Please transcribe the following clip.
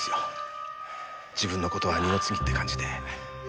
自分の事は二の次って感じで。